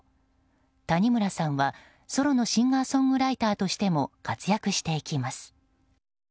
谷村さんは、ソロのシンガーソングライターとしても活躍していきます。